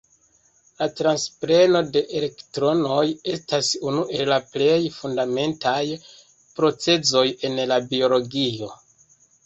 La transpreno de elektronoj estas unu el la plej fundamentaj procezoj en la biologio.